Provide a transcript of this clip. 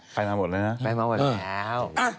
ไปมาหมดแล้ว